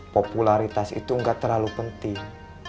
popularitas itu nggak terlalu penting